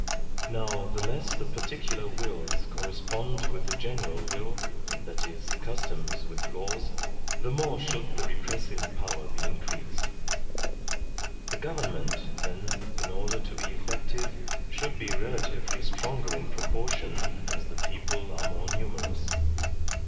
Now, the less the particular wills correspond with the general will, that is, customs with laws, the more should the repressive power be increased* The government, then, in order to be eflEective, should be relatively stronger in proportion as the people are more numerous.